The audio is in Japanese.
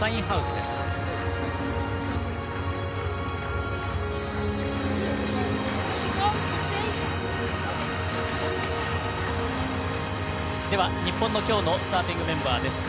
では、日本のきょうのスターティングメンバーです。